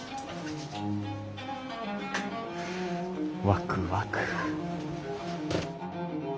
わくわく。